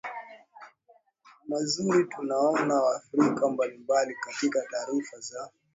mazuri tunaona Waafrika mbalimbali katika taarifa za